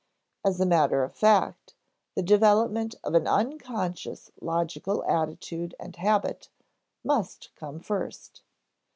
As a matter of fact, the development of an unconscious logical attitude and habit must come first.